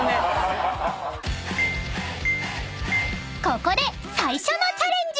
［ここで最初のチャレンジ］